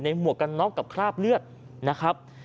หมวกกันน็อกกับคราบเลือดนะครับ